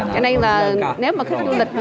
cho nên là nếu mà khách du lịch